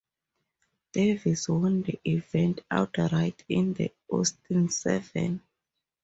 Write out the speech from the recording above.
Davis won the event outright in an Austin Seven.